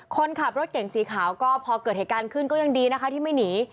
คนขับรถเก่งสีขาวก็พอเกิดเหตุการณ์ขึ้นก็ยังดีนะคะที่ไม่หนี